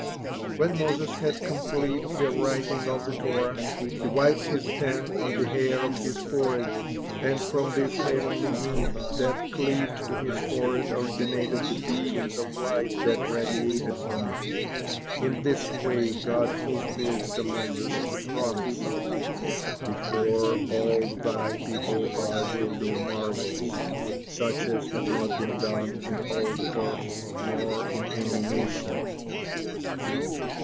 When Moses had complete the writing of the Torah, he wiped his pen on the hair of his forehead, and from this heavenly ink that cleaved to his forehead originated the beams of light that radiated from it. In this way God fulfilled to Moses the promise: "Before all thy people I will do marvels, such as have not been done in all the earth, nor in any nation."